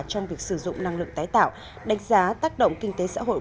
trong việc sử dụng năng lượng tái tạo đánh giá tác động kinh tế xã hội